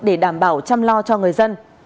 để đảm bảo chăm lo cho người dân